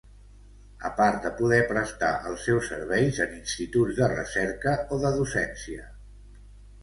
A part de poder prestar els seus serveis en instituts de recerca o de docència.